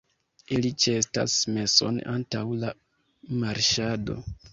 Ili ĉeestas meson antaŭ la marŝado.